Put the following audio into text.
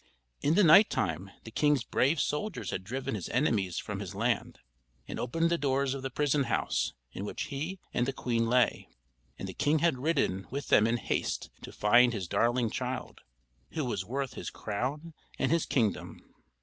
In the night time the king's brave soldiers had driven his enemies from his land, and opened the doors of the prison house in which he and the queen lay, and the king had ridden with them in haste to find his darling child, who was worth his crown and his kingdom.